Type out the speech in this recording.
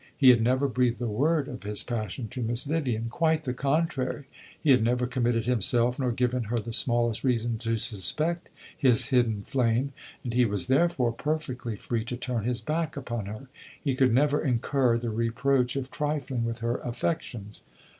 He had never breathed a word of his passion to Miss Vivian quite the contrary; he had never committed himself nor given her the smallest reason to suspect his hidden flame; and he was therefore perfectly free to turn his back upon her he could never incur the reproach of trifling with her affections.